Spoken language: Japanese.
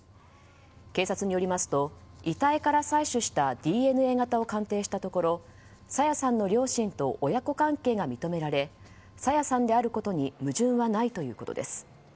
警察によりますと遺体から採取したＤＮＡ型を鑑定したところ朝芽さんの両親と親子関係が認められ朝芽さんであることに矛盾はないということです。